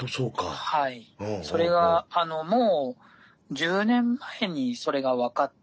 それがもう１０年前にそれが分かって。